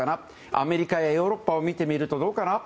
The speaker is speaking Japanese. アメリカやヨーロッパを見てみると、どうかな。